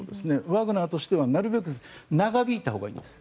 ワグネルとしてはなるべく長引いたほうがいいです。